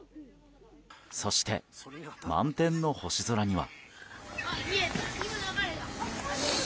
そして、満天の星空には。